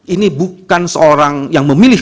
ini bukan seorang yang memilih